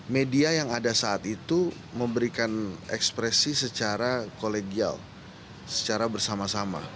media yang ada saat itu memberikan ekspresi secara kolegial secara bersama sama